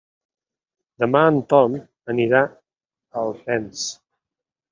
Demà en Tom anirà a Alpens.